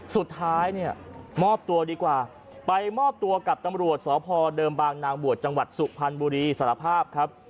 สุดท้ายเนี่ยมอบตัวดีกว่าไปมอบตัวกับตำรวจสพเดิมบางนางบวชจังหวัดสุพรรณบุรีสารภาพครับ